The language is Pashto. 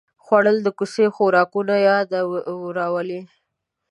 خوړل د کوڅې خوراکونو یاد راولي